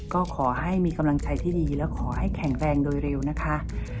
ก็ขอให้มีกำลังใจที่ดีและขอให้แข็งแรงโดยเร็วนะคะ